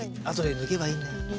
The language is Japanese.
あとで抜けばいいんだよ。